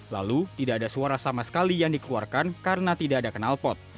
lalu tidak ada suara sama sekali yang dikeluarkan karena tidak ada kenal pot